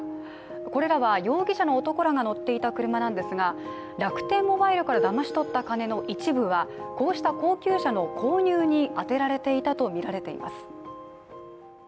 これらは容疑者の男らが乗っていた車なんですが楽天モバイルからだまし取った金の一部はこうした高級車の購入に充てられていたとみられています。